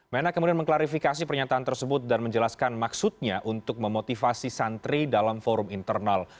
menak kemudian mengklarifikasi pernyataan tersebut dan menjelaskan maksudnya untuk memotivasi santri dalam forum internal